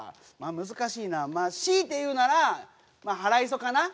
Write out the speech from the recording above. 難しいな強いて言うなら「はらいそ」かな？